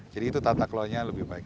jadi itu tata kelolanya lebih baik